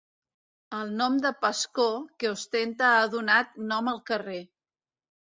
El nom de Pascó que ostenta ha donat nom al carrer.